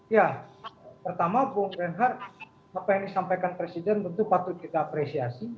ya pertama bang rehat apa yang disampaikan presiden itu patut kita apresiasi